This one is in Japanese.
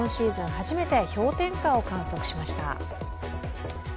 初めて氷点下を観測しました。